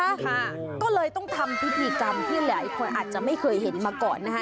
ค่ะก็เลยต้องทำพิธีกรรมที่หลายคนอาจจะไม่เคยเห็นมาก่อนนะคะ